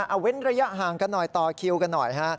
เอาเว้นระยะห่างกันหน่อยต่อคิวกันหน่อยฮะ